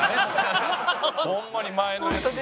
ホンマに前のやつで。